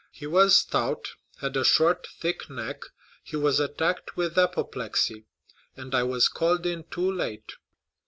He was stout, had a short, thick neck; he was attacked with apoplexy, and I was called in too late.